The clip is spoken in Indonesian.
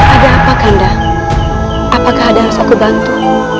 ada apa kanda apakah ada yang harus aku bantu